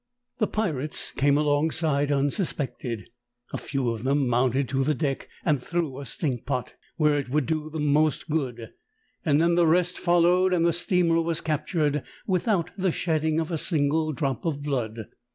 The pirates came alongside unsuspected ; a few of them mounted to the deck and threw a stink pot "where it would do the most good," and then the rest fol lowed and the steamer was captured without the shedding of a single drop of blood.